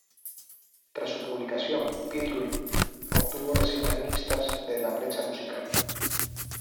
Tras su publicación, "Pilgrim" obtuvo reseñas mixtas de la prensa musical.